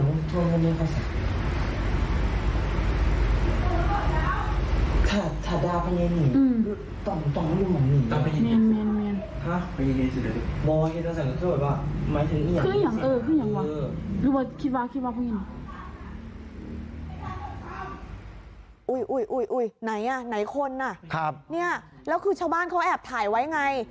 อุ๊ยไหนอ่ะไหนคนอ่ะเนี่ยแล้วคือชาวบ้านเขาแอบถ่ายไว้ไง